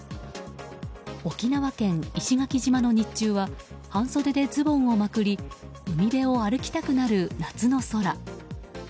沖縄県石垣島の日中は半袖でズボンをまくり海辺を歩きたくなる夏の空。